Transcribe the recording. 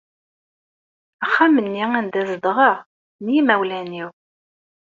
Axxam-nni anda zedɣeɣ, n yimawlan-iw.